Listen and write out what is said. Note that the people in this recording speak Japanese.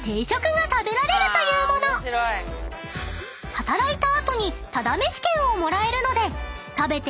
［働いた後にただめし券をもらえるので］